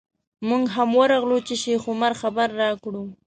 موږ هم ورغلو چې شیخ عمر خبر راکړو.